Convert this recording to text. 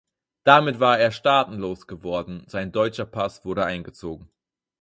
Damit war er staatenlos geworden; sein deutscher Pass wurde eingezogen.